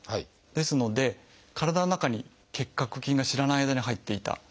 ですので体の中に結核菌が知らない間に入っていた。